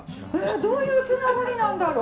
どういうつながりなんだろう？